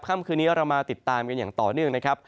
ค่ำคืนนี้เรามาติดตามกันอย่างต่อเนื่องนะครับ